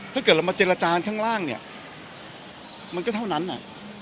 ถ้าเกิดเรามาเจรจาข้างล่างเนี่ยมันก็เท่านั้นอ่ะ